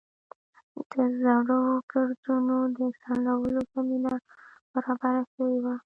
د زړو ګردونو د څنډلو زمینه برابره شوې وه.